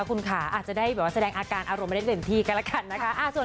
คุณค่ะอาจจะได้แบบว่าแสดงอาการอารมณ์ไม่ได้เต็มที่กันแล้วกันนะคะ